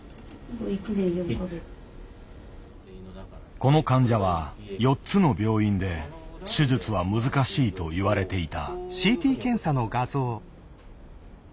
この患者は４つの病院で「手術は難しい」と言われていた。